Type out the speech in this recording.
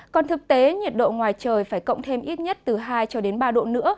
còn thực tế nhiệt độ ngoài trời phải cộng thêm ít nhất từ hai cho đến ba độ nữa